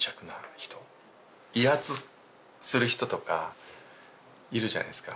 威圧する人とかいるじゃないですか。